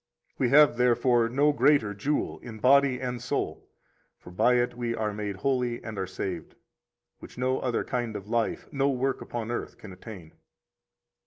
We have, therefore, no greater jewel in body and soul, for by it we are made holy and are saved, which no other kind of life, no work upon earth, can attain.